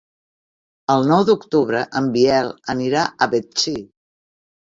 El nou d'octubre en Biel anirà a Betxí.